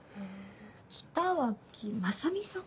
北脇雅美さん？